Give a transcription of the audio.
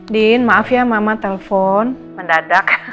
din maaf ya mama telepon mendadak